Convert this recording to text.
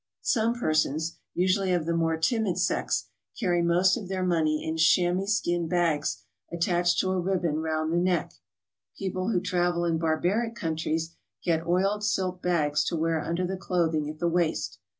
Some persons, usually of the more timid sex, carry most of their money in chamois skin bags attached to a ribbon round the neck; people who travel in barbaric countries get oiled silk bags to wear under the clothing at the waist.